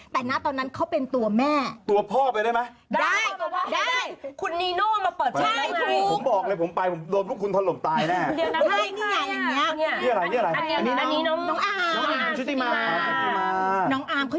แต่ณตอนนั้นเขาเป็นตัวแม่ตัวพ่อไปได้มะได้คุณนิโนมาเปิด